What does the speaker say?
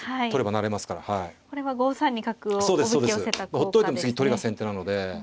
ほっといても次取りが先手なので。